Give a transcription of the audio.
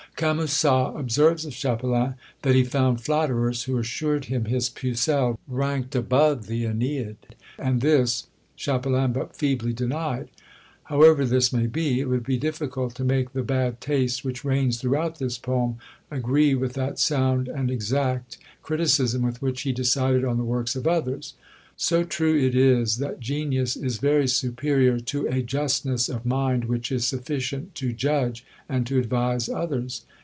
Camusat observes of Chapelain, that "he found flatterers, who assured him his Pucelle ranked above the Æneid; and this Chapelain but feebly denied. However this may be, it would be difficult to make the bad taste which reigns throughout this poem agree with that sound and exact criticism with which he decided on the works of others. So true is it, that genius is very superior to a justness of mind which is sufficient to judge and to advise others."